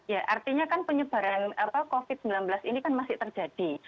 ya artinya kan penyebaran covid sembilan belas ini kan masih terjadi